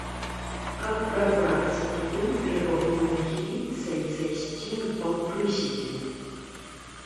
Каб прабрацца туды, трэба было нахіліцца і зайсці ў паўпрыседзе.